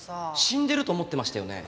死んでると思ってましたよね？